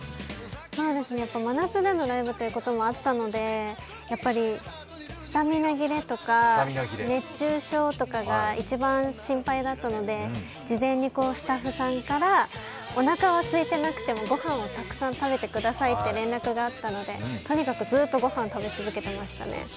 真夏のライブということもあったのでスタミナ切れとか熱中症とかが一番心配だったので、事前にスタッフさんから、おなかはすいてなくてもごはんはたくさん食べてくださいと連絡があったので、とにかくずっとごはんを食べ続けてましたね。